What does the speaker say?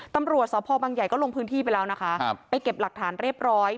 ตำรวจสพบังใหญ่ก็ลงพื้นที่ไปแล้วนะคะไปเก็บหลักฐานเรียบร้อย